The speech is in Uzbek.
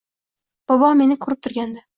Bobo meni ko‘rib turgandi.